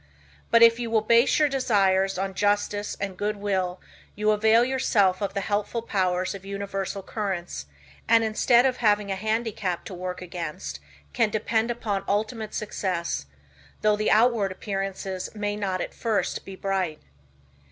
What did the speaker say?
But, if you will base your desires on justice and good will, you avail yourself of the helpful powers of universal currents, and instead of having a handicap to work against, can depend upon ultimate success, though the outward appearances may not at first be bright.